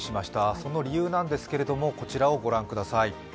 その理由なんですけれども、こちらを御覧ください。